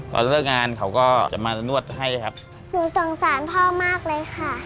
ตอนเลิกงานเขาก็จะมานวดให้ครับหนูสงสารพ่อมากเลยค่ะ